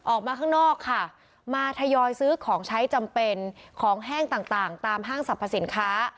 ออกมาข้างนอกค่ะมาทยอยซื้อของใช้จำเป็นของแห้งต่างตามห้างสรรพสินค้า